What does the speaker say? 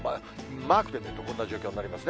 マークで見るとこんな状況になりますね。